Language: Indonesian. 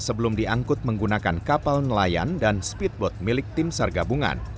sebelum diangkut menggunakan kapal nelayan dan speedboat milik tim sargabungan